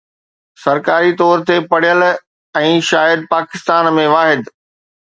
سرڪاري طور تي پڙهيل ۽ شايد پاڪستان ۾ واحد